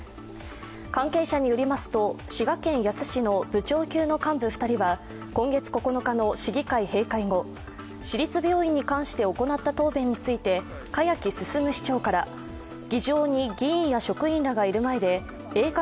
関係者によりますと滋賀県野洲市の部長級の幹部２人は今月９日の市議会閉会後、市立病院に関して行った答弁について栢木進市長から議場に議員や職員らがいる前でええ